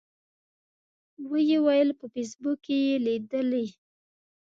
و یې ویل په فیسبوک کې یې لیدلي.